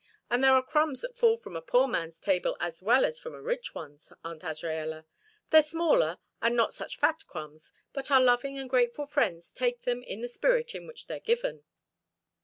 And there are crumbs that fall from a poor man's table as well as from a rich one's, Aunt Azraella. They're smaller, and not such fat crumbs, but our loving and grateful friends take them in the spirit in which they're given."